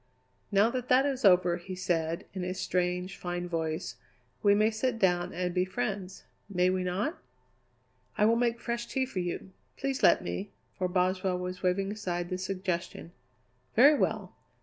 "Now that that is over," he said in his strange, fine voice, "we may sit down and be friends. May we not?" "I will make fresh tea for you please let me!" for Boswell was waving aside the suggestion. "Very well!